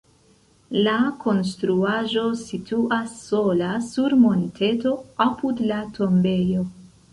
La konstruaĵo situas sola sur monteto apud la tombejo.